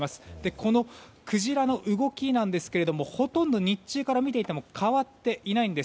このクジラの動きですがほとんど日中から見ていても変わっていないんです。